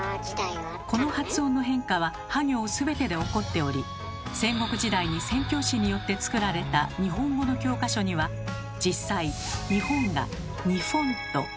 この発音の変化は「は行」全てで起こっており戦国時代に宣教師によって作られた日本語の教科書には実際「にほん」が「にふぉん」と書かれています。